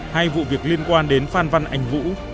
hay vụ việc liên quan đến phan văn anh vũ